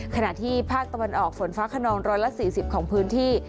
ขณะที่ภาคตะวันออกฝนฟ้าขนอง๑๔๐ของพื้นที่